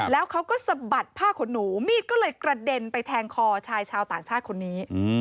แล้วเขาก็สะบัดผ้าขนหนูมีดก็เลยกระเด็นไปแทงคอชายชาวต่างชาติคนนี้